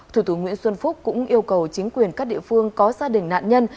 thủ tướng nguyễn xuân phúc cũng yêu cầu chính quyền các địa phương có gia đình nạn nhân